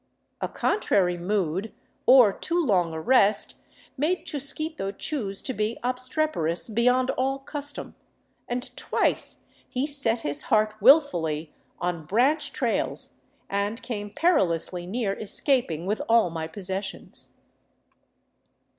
A con trary mood, or too long a rest, made Chusquito choose to be obstreper ous beyond all custom, and twice he set his heart wilfully on branch trails, and came perilously near escaping with all my possessions.